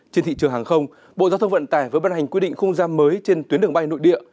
trên thị trường hàng không bộ giao thông vận tải với bất hành quy định không gian mới trên tuyến đường bay nội địa